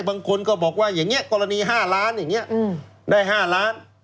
บางคนก็บอกว่าอย่างนี้กรณี๕ล้านได้๕ล้าน